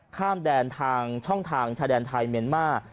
ข้ามแดนทางช่องทางชายแดนไทยเมียนมาร์